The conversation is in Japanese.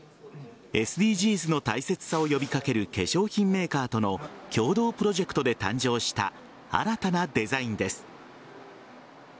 ＳＤＧｓの大切さを呼び掛ける化粧品メーカーとの共同プロジェクトで誕生した新たなデザインです。